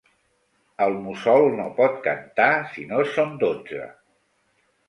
El mussol no pot cantar si no són dotze.